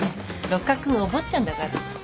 六角君お坊ちゃんだから。